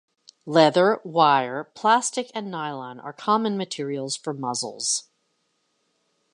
Leather, wire, plastic, and nylon are common materials for muzzles.